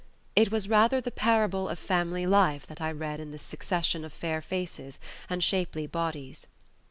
It was rather the parable of family life that I read in this succession of fair faces and shapely bodies.